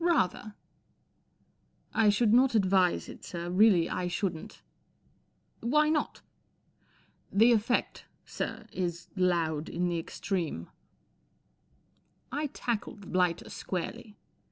" Rather !" 11 I should not advise it, sir, really I shouldn't/ 1 " Why not ?*'The effect, sir, is loud in the extreme/' I tackled the blighter squarely.